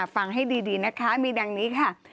ฟังให้ดีนะคะมีดังนี้ค่ะ